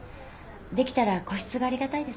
できたら個室がありがたいです。